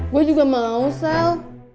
gue juga mau sel